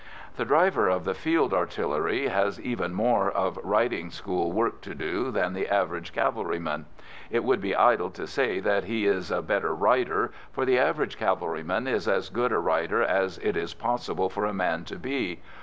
The driver of the Field Artillery has even more of riding school work to do than the average cavalryman. It would be idle to say that he is a better rider, for the average cavalryman is as good a rider as it is possible for a man to be.